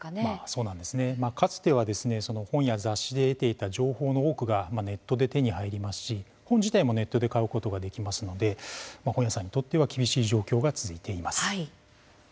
そうなんですね、かつては本や雑誌で得ていた情報の多くがネットで手に入りますし本自体もネットで買うことができますので本屋さんにとっては厳しい状況が続いています。